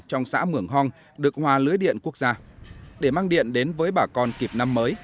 trong xã mường hong được hòa lưới điện quốc gia để mang điện đến với bà con kịp năm mới